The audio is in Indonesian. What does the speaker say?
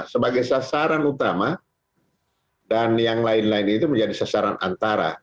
sebagai sasaran utama dan yang lain lain itu menjadi sasaran antara